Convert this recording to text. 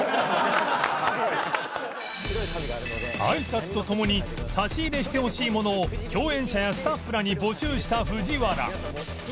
あいさつとともに差し入れしてほしいものを共演者やスタッフらに募集した藤原